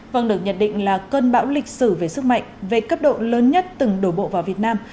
vâng được nhận định là cơn bão lịch sử về sức mạnh về cấp độ lớn nhất từng đổ bộ vào việt nam